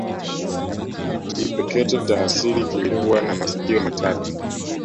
Kipekecho cha asili kilikuwa na masikio matatu